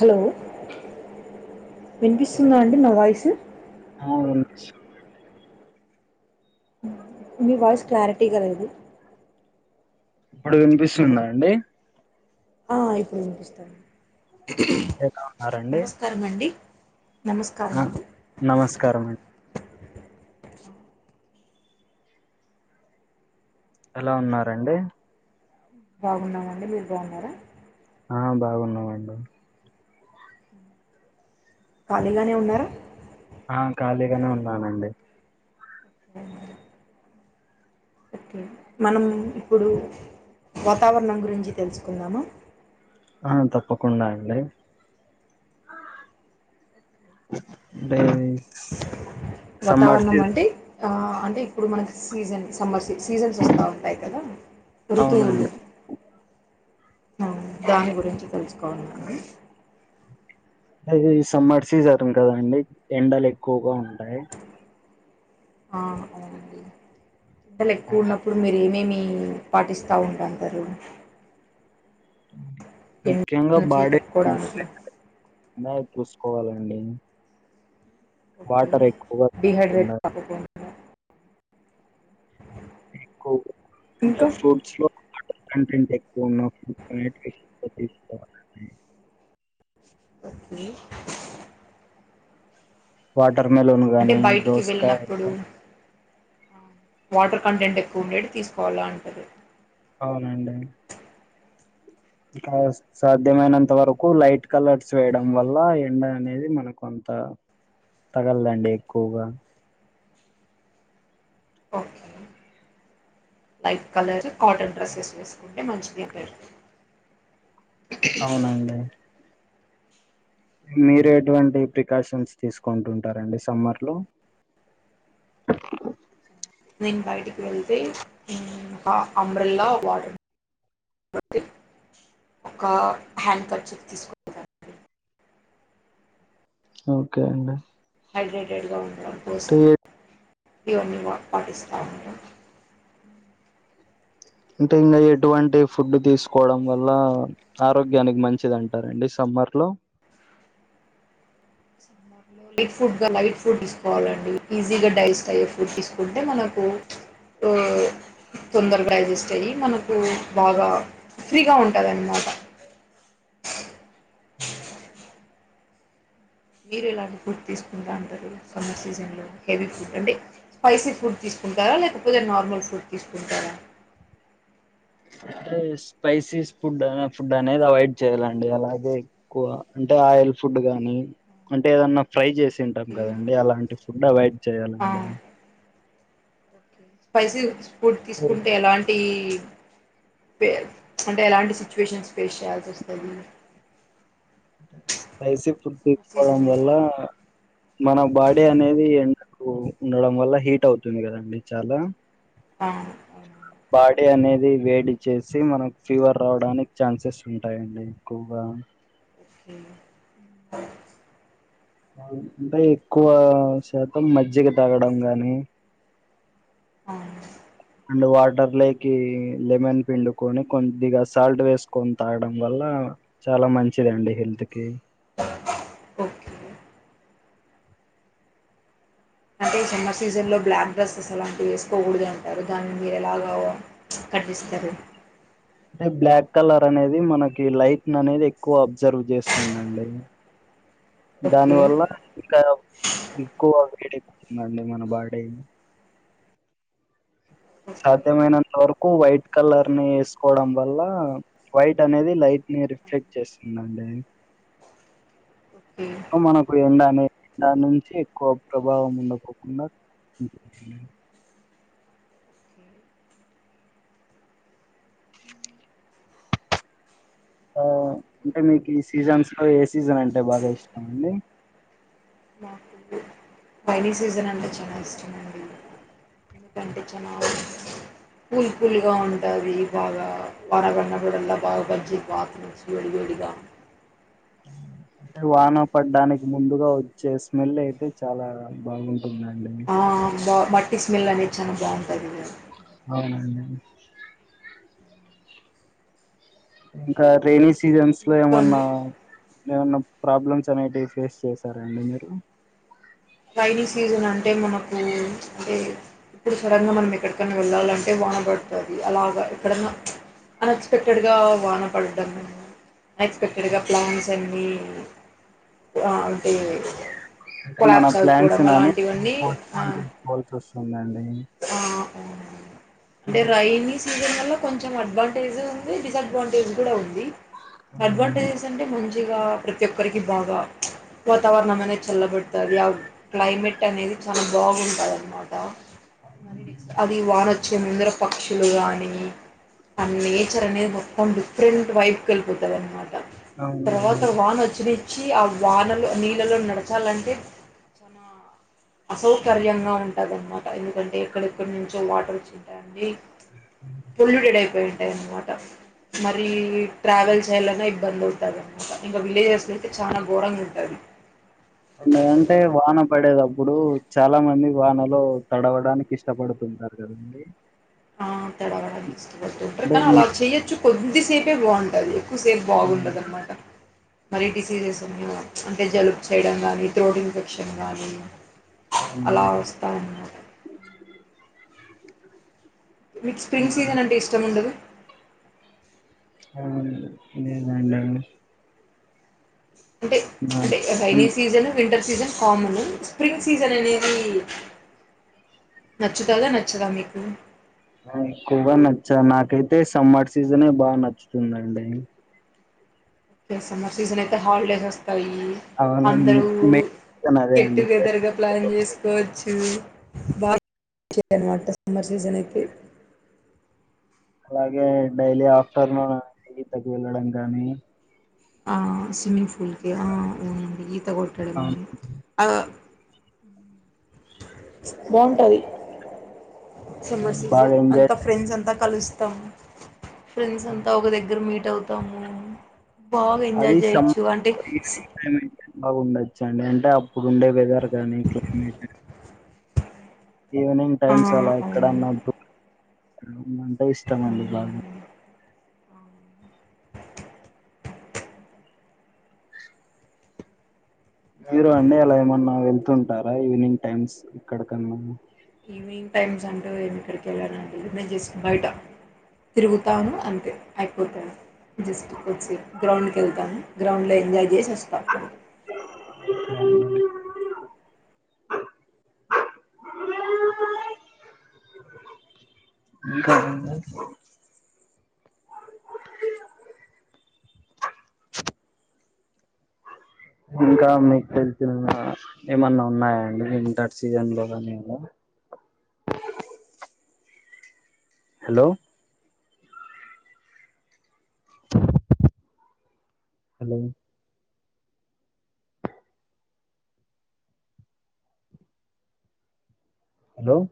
Hello వినిపిస్తుందా అండి నా వాయిసు ఆ, మీ వాయిస్ క్లారిటీగా లేదు ఇప్పుడు కనిపిస్తుందా అండి ఆ ఇప్పుడు పనిపిపస్తుంది ఎలా నమస్కారం అండి నమస్కారం అ అండి నమస్కారం అండి ఎలా ఉన్నారండి బాగున్నామండి మీరు బాగున్నారా ఆ బాగున్నామండి ఖాళీగానే ఉన్నారా ఆ ఖాళీగానే ఉన్నానండి మ్ ఒకే మనం ఇప్పుడు వాతావరణం గురించి తెలుసుకుందామ ఆ తప్పకుండా అండి డేనిస్ వాతావరణం అంటీ ఆ అంటి ఇప్పుడు మనకి సీజన్ సమ్మర్ సి సీజన్స్ వస్త ఉంటాయి కదా ఋతువులు అవునండి [inaudible] ఆ దాని గురించి తెలుసుకోవాలని ఇది సమ్మర్ సీజర్ కదండి ఎండలు ఎక్కువగా ఉంటాయ్ ఆ అవునండి ఎండలు ఎక్కువ ఉన్నప్పుడు మీరు ఏమేమి పాటిస్తా ఉంటారు అందరు ముఖ్యంగా నుంచి బాడే తట్టుకోవడానికి బాగా చూసుకోవాలండి ఓకే వాటర్ ఎక్కువ డిహైడ్రేట్ తాగుతుండాలే కాకుండా ఎక్కువ అంటే ఇంకా ఫ్రూట్స్ లో వాటర్ కంటెంట్ ఎక్కువ ఉన్నా [unintelligible] తీసుకోవాలండి ఓకే వాటర్ మెలోన్ అంటే గాని బయటికి దోసకాయ వెళ్ళినప్పుడు వాటర్ కంటెంట్ ఎక్కువ ఉండేది తీసుకోవాలా అంటది అవునండి బికాజ్ సాధ్యమైనంత వరకు లైట్ కలర్స్ వేయడం వల్ల ఎండ అనేది మనకు అం త తగల్దండి ఎక్కువగా okay light colour cotton dresses వేసుకుంటే మంచిది జేప్పార్ అవునండి మీరు ఎటువంటి ప్రికాషన్స్ తీసుకుంటు ఉంటారండి సమ్మర్ లో [inaudible] నేను బయటికి వెళ్తే ఉమ్ ఒక అబ్రెల్లా ఒక వాటర్ ఒక హ్యాండ్ కర్చీఫ్ తీసుకోన్ వెళ్తానండి ఓకే అండి హైడ్రేటెడ్గా ఉండడం అంటే కోసం ఇవన్నీ వాడ్ పాటిస్తా అండి అంటే ఇంగ ఎటువంటి ఫుడ్డు తీసుకోవడం వల్ల ఆరోగ్యానికి మంచిదంటారండి సమ్ మర్లో సమ్మర్ లో లైట్ ఫుడ్ గా లైట్ ఫుడ్ తీసుకోవాలండి ఈజీ గా డైజెస్ట్ అయ్యే ఫుడ్ తీసుకుంటే మనం ఓ ఓ తొందరగా డైజేస్ట్ అయ్యి మనకు బాగా ఫ్రీగా ఉంటాదన్నమాట ఉమ్ మీరు ఎలాంటి ఫుడ్ తీసుకుంటా ఉంటరు సమ్మర్ సీజన్ లో హెవీ ఫుడ్ అంటే స్పైసీ ఫుడ్ తీస్ కుంటారా లేకపోతే నార్మల్ ఫుడ్ తీసుకుంటారా [inaudible] అంటే స్పైసీస్ ఫుడ్డు అనే ఫుడ్డు అనేది అవాయిడ్ చేయాలండి అలాగే ఎక్కువ అంటే ఆయిల్ ఫుడ్డు గానీ అంటే ఏదన్నా ఫ్రై జేస్ తింటాం ఓకే కదండి అలాంటి ఫుడ్డు అవాయిడ్ జేయాలండి అది స్పైసీస్ ఫుడ్ తీసుకుంటే ఎలాంటి తే అంటే ఎలాంటి సిచువేషన్స్ ఫేస్ చేయాల్సోస్తది అంటే స్పైసీ ఫుడ్ తీసుకోవడం వల్ల సీజన్లో మన బాడీ అనేది ఎండకు ఉండడం వల్ల హీట్ అవుతుంది కదండి చాలా ఆ అవునా బాడీ అనేది వేడి చేసి మనకు ఫీవర్ రావడానికి ఛాన్సెస్ ఉంటాయండి ఎక్కువగా ఆ ఓకే ఉమ్ అంటే ఎక్కువ శాతం మజ్జిగ తాగడం గాని ఆ అండ్ వాటర్ లేకి లెమన్ పిండుకొని కొంద్దిగా సాల్ట్ వేసుకొని తాగడం వల్ల చాలా మంచిదండి హెల్త్ కి ఓకే అంటే [unintelligible] సమ్మర్ సీజన్ లో బ్లాక్ డ్రెస్సెస్ అలాంటివి వేసుకోకూడుదు అంటారు దాన్ మీరేలాగవ ఖండిస్తారు [unintelligible] అంటే బ్లాక్ కలర్ అనేది మనకి లైట్ ను అనేది ఎక్కువ అబ్జర్వ్ చేస్తుందండి దాని ఓకే వల్ల ఇంకా ఎక్కువ వేడేక్కుతుందండి మన బాడీ ఓకే సాధ్యమైనంత వరకు వైట్ కలర్ ని వేసుకోవడం వల్ల వైట్ అనేది రిఫ్లెక్ట్ చేస్తుందండది ఓకే ఓకే. సో మనకు ఎండ అనేది దాన్నుంచి ఎక్కువ ప్రభావం ఉండపోకుండా ఉ ఆ అంటే మీకు ఈ సీజన్స్ లో ఏ సీజన్ అంటే బాగా ఇష్టమండి నాకు రైనీ సీజన్ అంటే చాలా ఇష్టమండి ఎందుకంటే చానా కూల్ కూల్గా ఉంటది బాగా వాన బడిన్నప్పుడల్లా బాగా బజ్జీల్ బాత్రూమ్స్ తడిగా [inaudible] అంటే వాన పడ్డానికి ముందుగా వచ్చే స్మెల్ అయితే చాలా బాగుంటుందండి ఆ మట్టి స్మెల్ అనేది చాలా బాగుంటుంది అవునండి ఇంకా రెైనీ సీజన్స్ లో ఏమన్నా మీకండి ఏమన్నా ప్రాబ్లమ్స్ అనేటివి ఫేస్ చేసారండి మీరు రైైనీ సీజన్ అంటే మనకు అంటే ఇప్పుడు సడన్ గా మనం ఎక్కడికన్నా వెళ్ళాలంటే బాన పడుతది అలాగా ఎక్కడన్నా అన్ఎక్స్పెక్టెడ్ గా వానపడడం అన్ ఎక్స్పెక్టెడ్గా ప్లాన్స్ అన్ని ఆ అంటే అంటే మన కొలాబ్స్ ప్లాన్స్ అయిపోవడం అని అలాంటివన్నీ ఫ ఫన్ చేసుకోవాల్సి వస్తు ఆ ఆ, అంటే రైనిస్ సీజన్ వల్ల కొంచెం అడ్వాంటేజ్ ఉంది డిసడ్వాంటేజ్ కూడా ఉంది అవునండి అడ్వాంటేజెస్ అంటే మంచిగా ప్రతి ఒక్కరికి బాగా వాతావరణం అనే చల్లబడుతది ఆ క్లైమేట్ అనేది చాలా బాగుంటది అనమాట అది వానచ్చ్ ముందర పక్షులు గాని ఆ నేచర్ అనేది మొత్తం డిఫరెంట్ వైపుకి వెళ్ళిపోతది మాట అవునండి తర్వాత వానచ్చి వచ్చి ఆ వానలు నీళ్ళలో నడచాలంటే చాల అసౌకర్యంగా ఉంటదన్నమాట ఎందుకంటే ఎక్కడెక్కడ నుంచో వాటర్ వచ్చి ఉంటాయండి పొల్యూటెడ్ అయిపో ఉంటాయి అనమాట మరి ట్రావెల్ చేయాలనే ఇబ్బంది అవుతందినమాట ఇంకా విలేజెస్ అతే చాలా గోరంగా ఉంటది అండ్ అంటే వాన పడేటప్పుడు చాలా మంది వానలో తడవడానికి ఇష్టపడుతుంటారు కదండి ఆ తడవడానికి ఇష్టపడుతుంటారు అంటే కానీ అలా మీ చెయొచ్చు కొద్దిసేపే బాగుంటది ఎక్కువసేపు ఆ, బాగుండదున్నమాట మరి డిసీజెస్ ఉన్నా అంటే జలుబు చేయడం కానీ త్రోట్ ఇన్ఫెక్షన్ కానీ అలా అవునండి వస్తా ఉన్నారు మీకు స్ప్రింగ్ సీజన్ అంటే ఇష్టం ఉండదు ఆవునండి నేను అం అంటే అంటే rainy season winter season హార్మను spring season అనేది నచ్చుతాదా నచ్చదా మీకు ఎక్కువగా నచ్చ నాకైతే సమ్మర్ సీజనే బాగా నచ్చుతుందండి సమ్మర్ సీజన్ అయితే హాలిడేస్ వస్తాయి అవునండి అందరూ మే సీజన్ అదే గెట్ అండి టుగెదర్ గా ప్లాన్ చేసుకోవచ్చు నమాట సమ్మర్ సీజన్ అయితే అలాగే డైలీ ఆఫ్టర్నూన్ ఈతకి వెళ్ళడం కానీ ఆ స్విమ్మింగ్ పూల్కి ఆ అవునండి ఈతగొట్టడము అవును. ఆ బాగుంటది సమ్మర్ అవును. బాగా సీజన్ ఎంజాయ్ అంతా ఫ్రెండ్స్ అంతా కలుస్ తాము ఫ్రెండ్స్ చేస్తాం. అంతా ఒక దగ్గర మీట్ అవుతాము బాగ అది ఎంజాయ్ చేయొచ్చు అంటే బాగుండొచ్చండి అంటే అప్పుడు ఉండే వెదర్ కానీ క్లైమేట్ ఈవినింగ్ ఆ టైమ్స్ అలా ఎక్కడ అవును అన్నద్దు అంటే ఇష్టమ అండి బాగా అవును మీరు అండి అలా ఏమన్నా వెళ్తుంటారా ఈవినింగ్ టైమ్స్ ఇక్కడకన్నా ఈవినింగ్ టైమ్స్ అంటూ నేను ఇక్కడికి వెళ్ళను అండి మేం చేసుకు బయట తిరుగుతాను అంతే అయిపోతాను జస్ట్ కొద్దిసేపు గ్రౌండ్కి వెళ్తాను గ్రౌండ్లో ఎంజాయ్ చేసి వస్తా అ ఇంకా ఓకే ఇంకా మీకు తెలిసిన ఏమన్నా ఉన్నాయాండి వింటర్ సీజన్ లో కానీ ఇంగా హలో [inaudible] హలో హలో